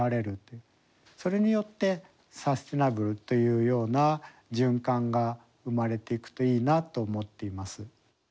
それによってサステナブルというような循環が生まれていくといいなと思っています。